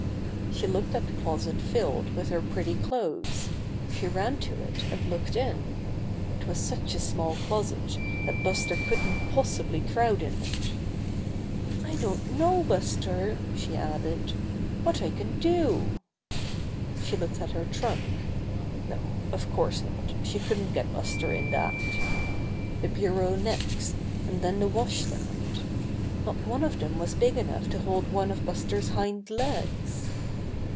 She looked at the closet filled with her pretty clothes. She ran to it and looked in. It was such a small closet that Buster couldn't possibly crowd in it. "I don't know, Buster," she added, "what I can do." She looked at her trunk. No, of course, not; she couldn't get Buster in that. The bureau next, and then the wash stand. Not one of them was big enough to hold one of Buster's hind legs.